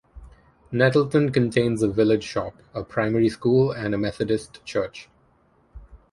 Nettleton contains a village shop, a primary school, and a Methodist Church.